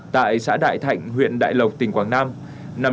tại xã đại thạnh huyện đại lộc tỉnh quảng nam